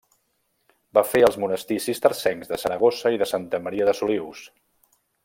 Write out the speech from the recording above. Va fer els monestirs cistercencs de Saragossa i de Santa Maria de Solius.